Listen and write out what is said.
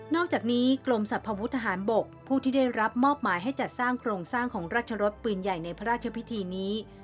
อกจากนี้กรมสรรพวุฒิทหารบกผู้ที่ได้รับมอบหมายให้จัดสร้างโครงสร้างของราชรสปืนใหญ่ในพระราชพิธีนี้